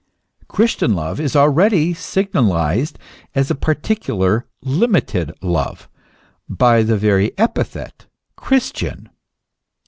Christian love is already signalized as a particular, limited love, by the very epithet, Christian.